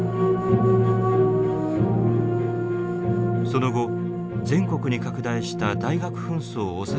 その後全国に拡大した大学紛争を抑え込む